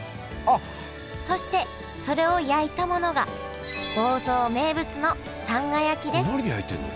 そしてそれを焼いたものが房総名物のこれ何で焼いてんの？